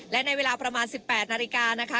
และในเวลาประมาณ๑๘นาฬิกานะคะ